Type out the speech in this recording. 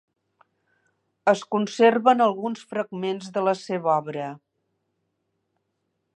Es conserven alguns fragments de la seva obra.